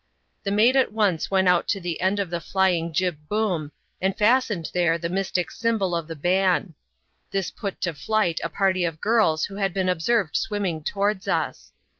The mate at once went out to the end of the jBjing jib boom, and fastened there the mystic symbol of the ban. This put to flight a party of girls who had been observed swimming towards us.